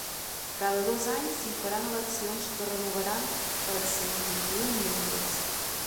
Cada dos anys s’hi faran eleccions que renovaran els cent vint-i-un membres.